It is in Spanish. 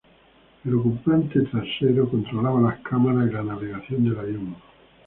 El ocupante trasero controlaba las cámaras y la navegación del avión.